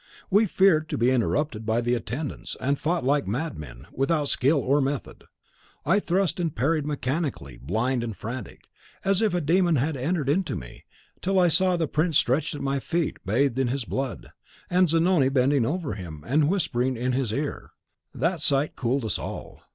We feared to be interrupted by the attendants, and fought like madmen, without skill or method. I thrust and parried mechanically, blind and frantic, as if a demon had entered into me, till I saw the prince stretched at my feet, bathed in his blood, and Zanoni bending over him, and whispering in his ear. That sight cooled us all.